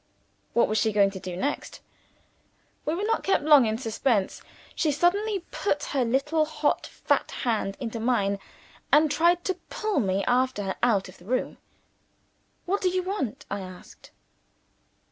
What was she going to do next? We were not kept long in suspense. She suddenly put her little hot fat hand into mine, and tried to pull me after her out of the room. "What do you want?" I asked.